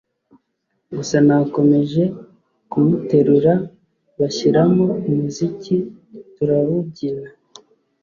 gusa nakomeje kumuterura bashyiramo umuziki tura wubyina